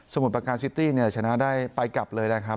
มุดประการซิตี้เนี่ยชนะได้ไปกลับเลยนะครับ